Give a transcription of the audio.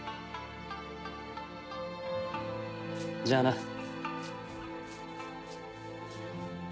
じゃあな。